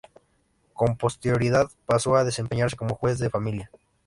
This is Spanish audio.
Con posterioridad pasó a desempeñarse como juez de familia.